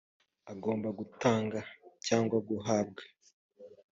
agomba gutanga cyangwa guhabwa